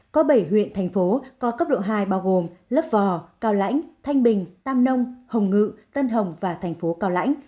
có bảy huyện thành phố có cấp độ hai bao gồm lấp vò cao lãnh thanh bình tam nông hồng ngự tân hồng và thành phố cao lãnh